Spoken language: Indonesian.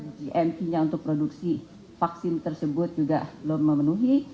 gmt nya untuk produksi vaksin tersebut juga belum memenuhi